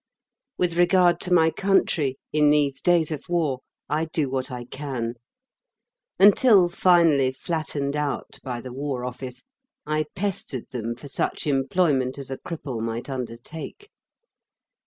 With regard to my country, in these days of war, I do what I can. Until finally flattened out by the War Office, I pestered them for such employment as a cripple might undertake.